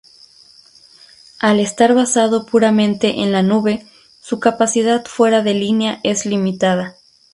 Al estar basado puramente en la nube, su capacidad fuera de línea es limitada.